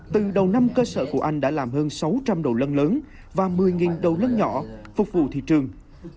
từ đầu năm cơ sở của anh đã làm hơn sáu trăm linh đồ lân lớn và một mươi đầu lân nhỏ phục vụ thị trường